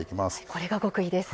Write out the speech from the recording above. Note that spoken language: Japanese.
これが極意です。